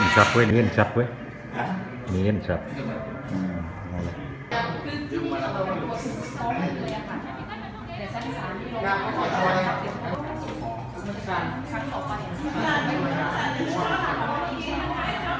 สนุกจดเลยบากรู้ไม๊